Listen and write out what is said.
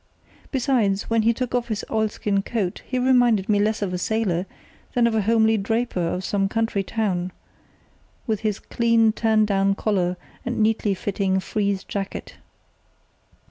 Besides, when he took off his oilskin coat he reminded me less of a sailor than of a homely draper of some country town, with his clean turned down collar and neatly fitting frieze jacket.